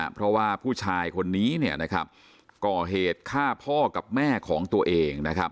เพราะว่าผู้ชายคนนี้ก่อเหตุฆ่าพ่อกับแม่ของตัวเองนะครับ